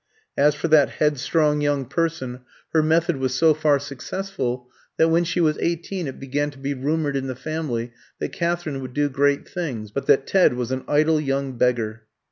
As for that headstrong young person, her method was so far successful that when she was eighteen it began to be rumoured in the family that Katherine would do great things, but that Ted was an idle young beggar.